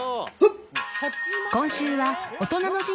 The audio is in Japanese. ［今週は］